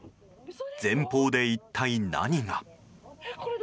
前方で一体何が。